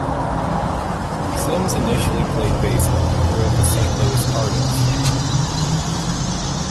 Sims initially played baseball and grew up a Saint Louis Cardinals fan.